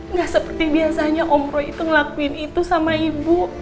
nggak seperti biasanya om roy ngelakuin itu sama ibu